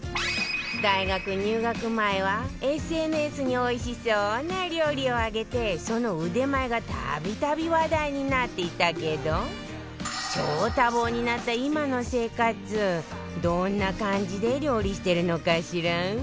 大学入学前は ＳＮＳ においしそうな料理を上げてその腕前が度々話題になっていたけど超多忙になった今の生活どんな感じで料理してるのかしら？